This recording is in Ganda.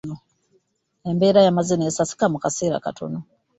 Embeera yamaze nesasika mu kaseera kano.